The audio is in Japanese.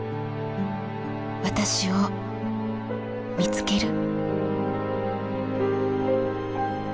私を見つける。